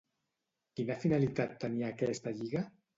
Quina finalitat tenia aquesta Lliga?